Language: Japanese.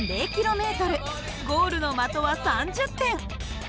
ゴールの的は３０点。